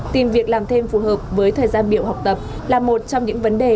tìm việc làm thêm phù hợp với thời gian biểu học tập là một trong những vấn đề